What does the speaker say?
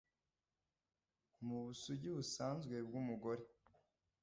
mubusugi busanzwe bwumugore